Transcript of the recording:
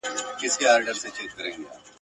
نه استاد وي نه منطق نه هندسه وي ..